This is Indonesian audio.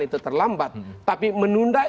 itu terlambat tapi menunda